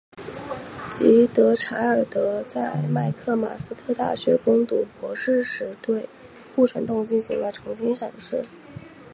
古德柴尔德在麦克马斯特大学攻读博士时对护城洞进行了重新审视。